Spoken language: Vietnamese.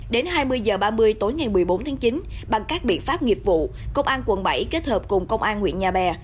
đến hai mươi h ba mươi tối ngày một mươi bốn tháng chín bằng các biện pháp nghiệp vụ công an quận bảy kết hợp cùng công an huyện nhà bè